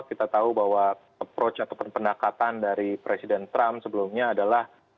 kita tahu bahwa approach ataupun pendekatan dari presiden trump sebelumnya adalah